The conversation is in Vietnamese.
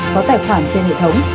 có tài khoản trên hệ thống